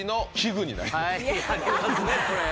ありますねこれ。